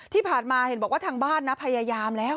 ที่ผ่านมาเห็นบอกว่าทางบ้านนะพยายามแล้ว